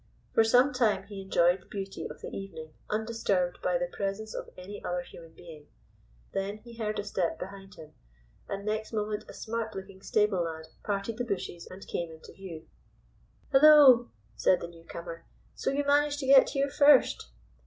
For some time he enjoyed the beauty of the evening undisturbed by the presence of any other human being. Then he heard a step behind him and next moment a smart looking stable lad parted the bushes and came into view. "Hullo," said the new comer. "So you managed to get here first?"